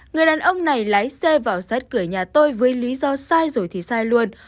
người đàn ông này lái xe vào sát cửa nhà tôi với lý do sai rồi thì sai luôn